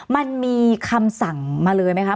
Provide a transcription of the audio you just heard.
มันมีคำสั่งมาเลยไหมคะ